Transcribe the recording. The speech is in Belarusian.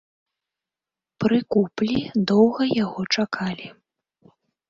Пры куплі доўга яго чакалі.